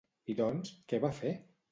I doncs, què va fer?